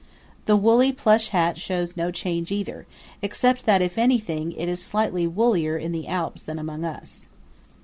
The woolly plush hat shows no change either, except that if anything it is slightly woollier in the Alps than among us.